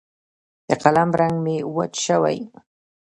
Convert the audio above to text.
د قلم رنګ مې وچ شوی